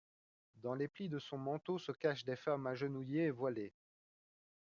Dans les plis de son manteau se cachent des femmes agenouillées et voilées.